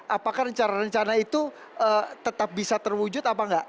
apakah rencana rencana itu tetap bisa terwujud apa enggak